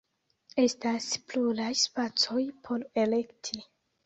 Estas pluraj spacoj por elekti.